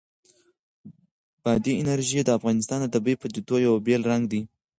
بادي انرژي د افغانستان د طبیعي پدیدو یو بېل رنګ دی.